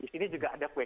di sini juga ada kue kue